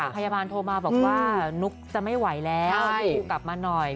พยาบาลโทรมาบอกว่านุ๊กจะไม่ไหวแล้วลูกกลับมาหน่อย